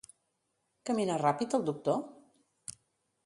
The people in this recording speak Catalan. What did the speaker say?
Camina ràpid el doctor?